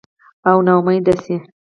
او نا امیده شي